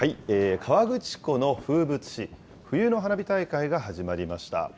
河口湖の風物詩、冬の花火大会が始まりました。